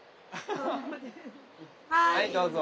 はいどうぞ。